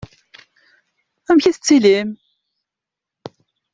Amek i tettilim?